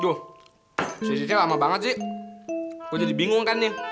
aduh sucinya lama banget sih gue jadi bingung kan nih